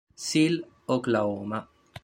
Sill, Oklahoma.